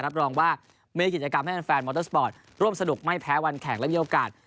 รับรองว่ามีกิจกรรมให้แฟนมอเตอร์สปอร์ตร่วมสนุกไม่แพ้วันแข่งและมีโอกาส